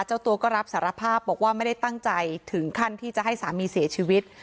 เจ้าตัวก็รับสารภาพบอกว่าไม่ได้ตั้งใจถึงขั้นที่จะให้สามีเสียชีวิต